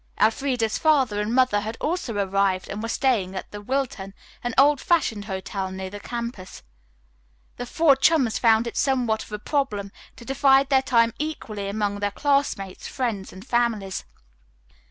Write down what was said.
Elfreda's father and mother had also arrived and were staying at the "Wilton," an old fashioned hotel near the campus. The four chums found it somewhat of a problem to divide their time equally among their classmates, friends and families.